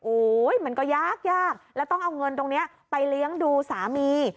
โอ้โหมันก็ยากยากแล้วต้องเอาเงินตรงนี้ไปเลี้ยงดูสามี